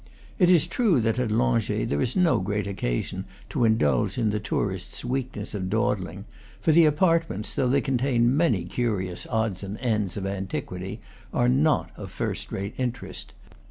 It is true that at Langeais there is no great occasion to indulge in the tourist's weak ness of dawdling; for the apartments, though they contain many curious odds and ends of, antiquity, are not of first rate interest.